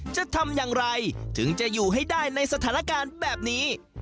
จะทำอย่างไรถึงจะอยู่ให้ได้ในสถานการณ์แบบนี้